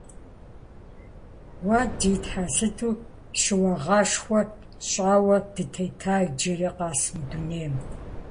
Уа, ди Тхьэ, сыту щыуагъэшхуэ тщӀэуэ дытета иджыри къэс мы дунейм!